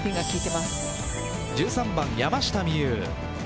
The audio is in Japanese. １３番、山下美夢有。